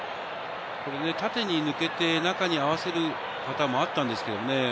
縦に抜けて、中に合わせるパターンもあったんですけどね。